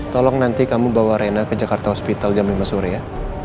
tolong nanti kamu bawa rena ke jakarta hospital jam lima sore ya